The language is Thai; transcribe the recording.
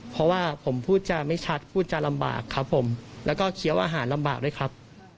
เพราะว่าผมพูดจาไม่ชัดพูดจะลำบากครับผมแล้วก็เคี้ยวอาหารลำบากด้วยครับ